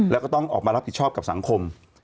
แล้วก็ต้องออกมารับผิดชอบกับสังคม